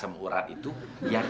amu bakal main main